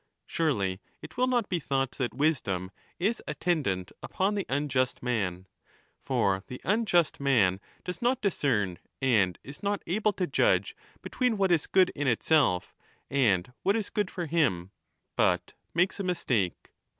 Surely it will not be thought that wisdom is attendant upon the unjust man. For the unjust man does not discern and is not able to judge between what is good in itself and what is good for him, but makes a mis take.